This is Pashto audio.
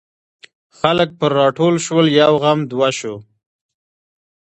خلک پر راټول شول یو غم دوه شو.